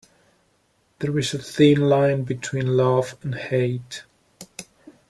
There is a thin line between love and hate.